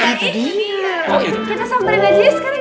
kita sambarin aja ya sekarang gimana